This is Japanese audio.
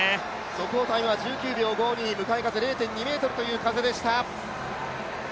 速報タイム１９秒５２、向かい風０．２メートルという風でした。